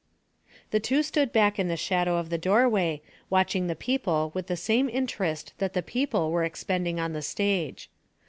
The two stood back in the shadow of the doorway watching the people with the same interest that the people were expending on the stage.